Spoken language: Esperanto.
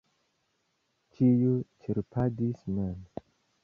Ĉiu ĉerpadis mem.